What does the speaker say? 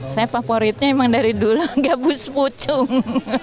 saya favoritnya emang dari dulu gabus pucung